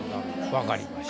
分かりました。